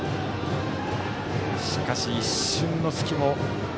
しかし、一瞬の隙も。